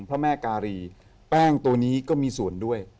พระแม่การีแป้งตัวนี้ก็มีส่วนด้วย